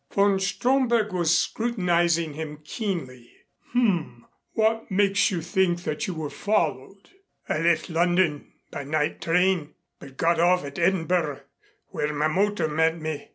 Von Stromberg was scrutinizing him keenly. "H m. What makes you think that you were followed?" "I left London by night train but got off at Edinburgh where my motor met me.